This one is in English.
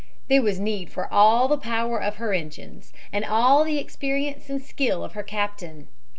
There was need for all the power of her engines and all the experience and skill of her captain.